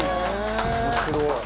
「面白い！」